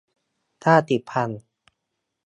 ชาติพันธุ์